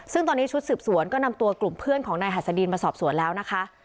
ซึ่งตอนนี้ชุดสืบสวนก็นำตัวกลุ่มเพื่อนของนายหัสดีนมาสอบสวนแล้วนะคะ